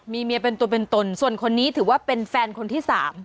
มีเมียเป็นตัวเป็นตนส่วนคนนี้ถือว่าเป็นแฟนคนที่๓